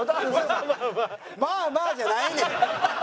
「まあまあ」じゃないねん！